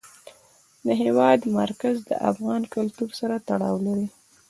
د هېواد مرکز د افغان کلتور سره تړاو لري.